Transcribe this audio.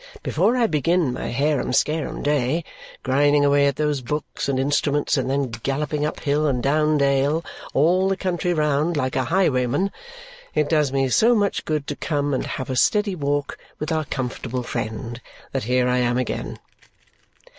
Before I begin my harum scarum day grinding away at those books and instruments and then galloping up hill and down dale, all the country round, like a highwayman it does me so much good to come and have a steady walk with our comfortable friend, that here I am again!"